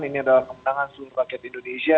ini adalah kemenangan seluruh rakyat indonesia